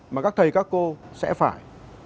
mà các thầy các cô sẽ phải